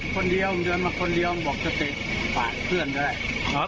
คนเดียวเดินมาคนเดียวบอกจะเตะฝากเพื่อนด้วย